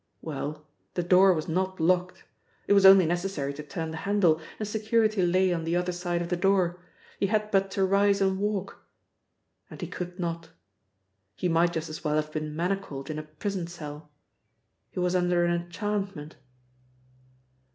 Well, the door was not locked. It was only necessary to turn the handle, and security lay on the other side of the door! He had but to rise and walk. And he could not. He might just as well have been manacled in a prison cell. He was under an enchantment.